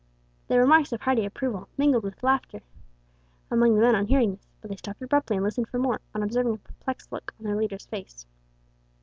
There were marks of hearty approval, mingled with laughter, among the men on hearing this, but they stopped abruptly and listened for more on observing a perplexed look on their leader's face.